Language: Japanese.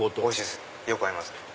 よく合いますね。